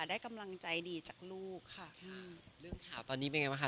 ได้กำลังใจดีจากลูกค่ะอืมเรื่องข่าวตอนนี้เป็นไงบ้างคะ